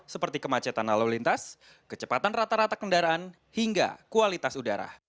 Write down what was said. seperti kemacetan lalu lintas kecepatan rata rata kendaraan hingga kualitas udara